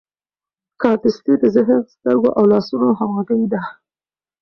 کاردستي د ذهن، سترګو او لاسونو همغږي ده.